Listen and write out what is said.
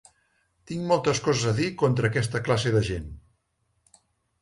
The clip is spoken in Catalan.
Tinc moltes coses a dir contra aquesta classe de gent.